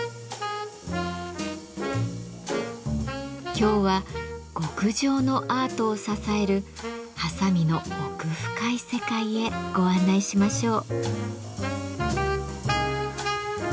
今日は極上のアートを支えるはさみの奥深い世界へご案内しましょう。